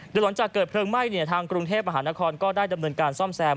โดยหลังจากเกิดเพลิงไหม้ทางกรุงเทพมหานครก็ได้ดำเนินการซ่อมแซม